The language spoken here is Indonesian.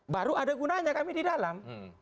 baru ada gunanya kami di dalam